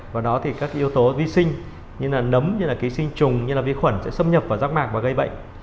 và đó thì các yếu tố vi sinh như là nấm như là ký sinh trùng như là vi khuẩn sẽ xâm nhập vào rác mạc và gây bệnh